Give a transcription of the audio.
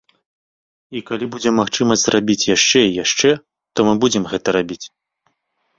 І калі будзе магчымасць зрабіць яшчэ і яшчэ, то мы будзем гэта рабіць.